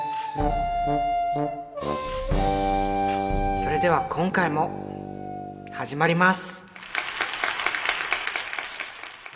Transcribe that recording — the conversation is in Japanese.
それでは今回も始まります。